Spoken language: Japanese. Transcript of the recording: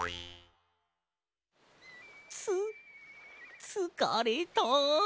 つつかれた。